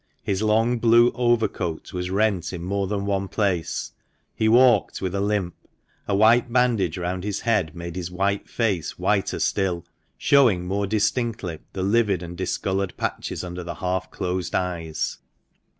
His long blue overcoat was rent in more than one place ; he walked with a limp ; a white bandage round his head made his white face whiter still, showing more distinctly the livid and discoloured patches under the half closed eyes.